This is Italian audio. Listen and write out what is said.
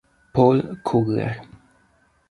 Paul Kugler